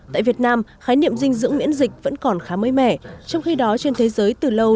tại việt nam khái niệm dinh dưỡng miễn dịch vẫn còn khá mới mẻ trong khi đó trên thế giới từ lâu